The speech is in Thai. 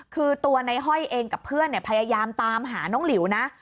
คือตัวในห้อยเองกับเพื่อนพยายามตามหาน้องหลิวนะ